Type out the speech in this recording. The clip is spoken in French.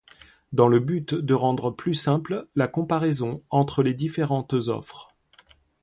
Dans le but de rendre plus simple la comparaison entre les différentes offres.